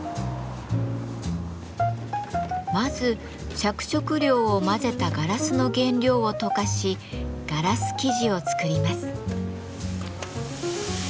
まず着色料を混ぜたガラスの原料を溶かしガラス素地を作ります。